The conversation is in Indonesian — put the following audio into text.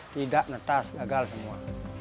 tidak netas gagal semua